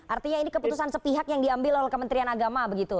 artinya ini keputusan sepihak yang diambil oleh kementerian agama begitu